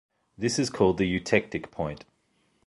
This is called the eutectic point.